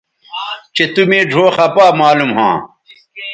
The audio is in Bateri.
چہء تُو مے ڙھؤ خپا معلوم ھواں